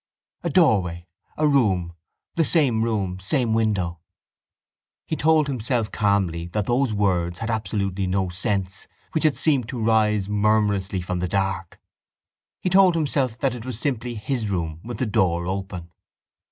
A doorway, a room, the same room, same window. He told himself calmly that those words had absolutely no sense which had seemed to rise murmurously from the dark. He told himself that it was simply his room with the door open.